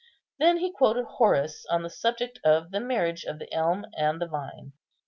Then he quoted Horace on the subject of the marriage of the elm and the vine.